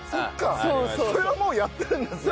それはもうやってるんですね。